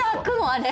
あれ。